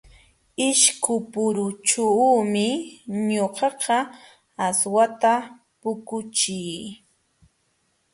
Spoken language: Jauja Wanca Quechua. Ishkupurućhuumi ñuqaqa aswata puquchii.